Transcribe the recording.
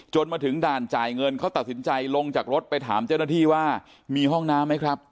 มาถึงด่านจ่ายเงินเขาตัดสินใจลงจากรถไปถามเจ้าหน้าที่ว่ามีห้องน้ำไหมครับ